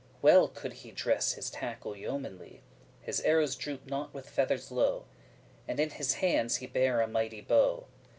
Well could he dress his tackle yeomanly: His arrows drooped not with feathers low; And in his hand he bare a mighty bow.